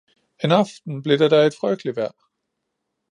En aften blev det da et frygteligt vejr